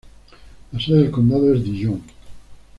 La sede del condado es Dillon.